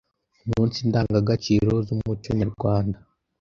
umunsi ndangagaciro z’umuco nyarwanda